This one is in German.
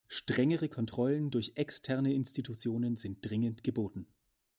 Strengere Kontrollen durch externe Institutionen sind dringend geboten.